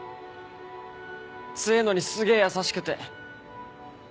強えのにすげえ優しくて。